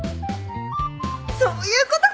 そういうことか！